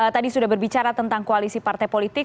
tadi sudah berbicara tentang koalisi partai politik